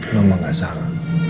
mama gak salah